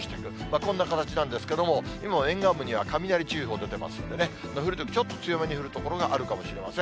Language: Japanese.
こんな形なんですけども、今も沿岸部には、雷注意報出てますんでね、降るときちょっと強めに降る所があるかもしれません。